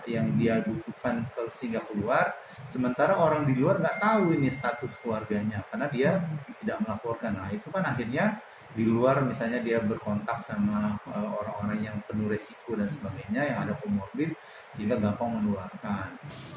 yang ada komorbid sehingga gampang menularkan